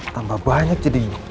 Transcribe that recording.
tambah banyak jadi